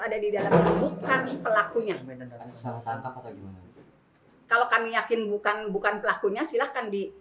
ada di dalam bukan pelakunya kalau kami yakin bukan bukan pelakunya silahkan di